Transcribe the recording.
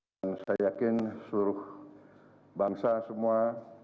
dan saya yakin seluruh bangsa semua